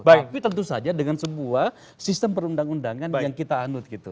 tapi tentu saja dengan sebuah sistem perundang undangan yang kita anut gitu